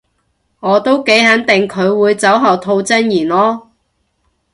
我都幾肯定佢會酒後吐真言囉